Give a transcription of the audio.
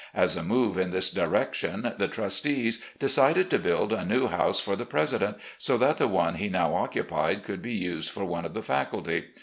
As a move in this direction, the trustees decided to build a new house for the president, so that the one he now occupied could be used for one of the faculty.